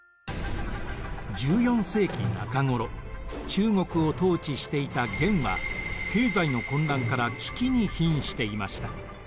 中国を統治していた元は経済の混乱から危機にひんしていました。